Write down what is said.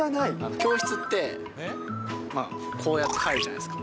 教室って、こうやって入るじゃないですか。